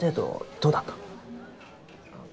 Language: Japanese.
どうだったの？